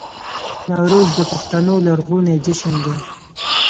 نوروز د پښتنو لرغونی جشن دی